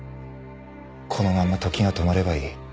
このまま時が止まればいい。